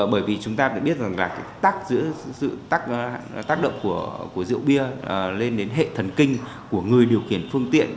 bởi vì chúng ta biết rằng là tác động của rượu bia lên đến hệ thần kinh của người điều kiện phương tiện